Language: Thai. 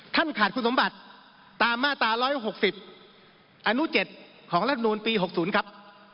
ท่านขาดคุณสมบัติตามมาตร๑๖๐อนุเจ็ดของลักษณวณปี๖๐ครับ